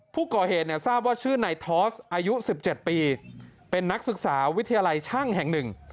ผู้ก่อเหตุเนี่ยทราบว่าชื่อนายทอสอายุ๑๗ปีเป็นนักศึกษาวิทยาลัยช่างแห่งหนึ่ง